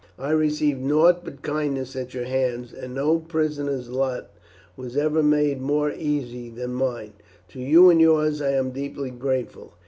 I received nought but kindness at your hands, and no prisoner's lot was ever made more easy than mine. To you and yours I am deeply grateful.